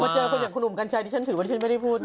เจอคนอย่างคุณหนุ่มกัญชัยที่ฉันถือว่าฉันไม่ได้พูดนะ